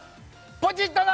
ポチッとな。